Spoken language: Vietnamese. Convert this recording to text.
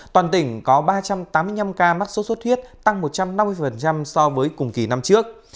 toàn tỉnh có ba trăm tám mươi năm ca mắc sốt xuất huyết tăng một trăm năm mươi so với cùng kỳ năm trước